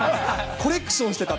コレクションしてたと。